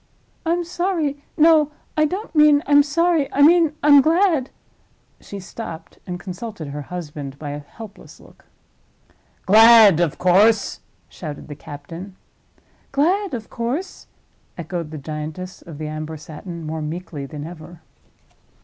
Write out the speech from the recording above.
I'm sorry—no, I don't mean I'm sorry; I mean I'm glad—" she stopped, and consulted her husband by a helpless look. "Glad, of course!" shouted the captain. "Glad, of course," echoed the giantess of the amber satin, more meekly than ever.